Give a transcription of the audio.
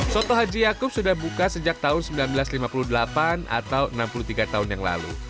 soto haji yaakub sudah buka sejak tahun seribu sembilan ratus lima puluh delapan atau enam puluh tiga tahun yang lalu